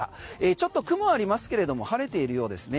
ちょっと雲ありますけれども晴れているようですね。